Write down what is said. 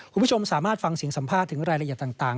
คุณผู้ชมสามารถฟังเสียงสัมภาษณ์ถึงรายละเอียดต่าง